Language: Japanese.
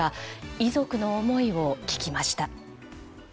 遺族の思いを聞きました。